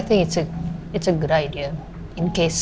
saya pikir itu ide yang bagus